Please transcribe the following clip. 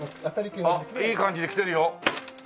あっいい感じできてるよ。